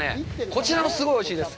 こちらもすごいおいしいです。